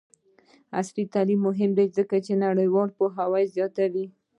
عصري تعلیم مهم دی ځکه چې نړیوال پوهاوی زیاتوي.